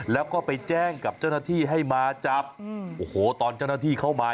แล้วก็ไปแจ้งกับเจ้าหน้าที่ให้มาจับโอ้โหตอนเจ้าหน้าที่เข้ามา